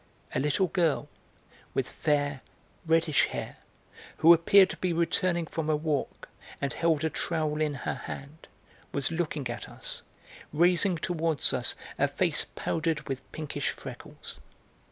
A little girl, with fair, reddish hair, who appeared to be returning from a walk, and held a trowel in her hand, was looking at us, raising towards us a face powdered with pinkish freckles.